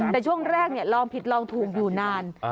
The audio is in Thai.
แต่ช่วงแรกเนี่ยลองผิดลองทูมอยู่นาน